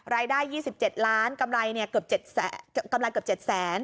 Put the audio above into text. ๖๑รายได้๒๗ล้านกำไรเกือบ๗แสน